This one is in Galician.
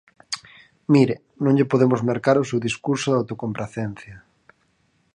Mire, non lle podemos mercar o seu discurso da autocompracencia.